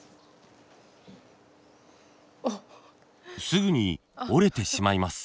すぐに折れてしまいます。